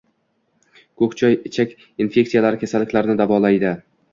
Ko‘k choy ichak infeksiyalari kasalliklarini davolaydi.